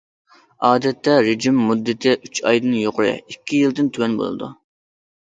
ئادەتتە رېجىم مۇددىتى ئۈچ ئايدىن يۇقىرى، ئىككى يىلدىن تۆۋەن بولىدۇ.